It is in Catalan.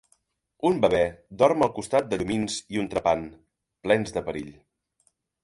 Un bebè dorm al costat de llumins i un trepant, plens de perill.